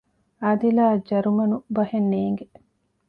އާދިލާއަށް ޖަރުމަނު ބަހެއް ނޭނގެ